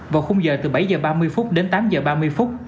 vào khung giờ từ bảy h ba mươi đến tám h ba mươi